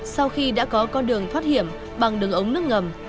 sau khi đã có con đường thoát hiểm bằng đường ống nước ngầm